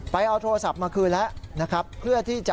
ไปเอาโทรศัพท์มาคือแล้วเพื่อที่จะ